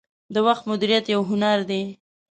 • د وخت مدیریت یو هنر دی.